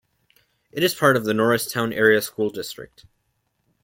It is part of the Norristown Area School District.